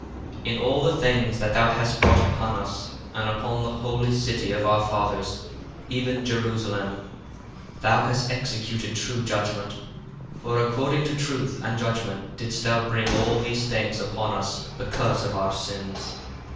5 In all the things that thou hast brought upon us, and upon the holy city of our fathers, even Jerusalem, thou hast executed true judgment: for according to truth and judgment didst thou bring all these things upon us because of our sins.